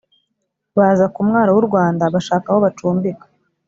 baza kumwaro wurwanda bashaka aho bacumbika